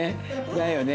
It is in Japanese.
だよね。